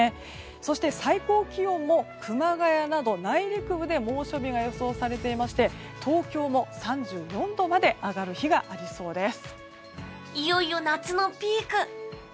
そして最高気温も熊谷など内陸部で猛暑日が予想されていまして東京も３４度まで上がる日がありそうです。